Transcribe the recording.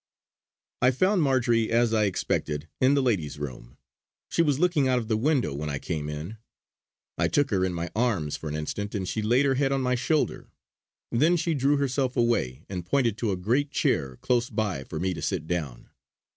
I found Marjory, as I expected, in the Ladies' Room. She was looking out of the window when I came in. I took her in my arms for an instant, and she laid her head on my shoulder. Then she drew herself away, and pointed to a great chair close by for me to sit down.